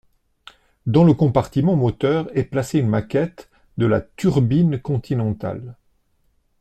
Dans le compartiment moteur est placée une maquette de la turbine Continental.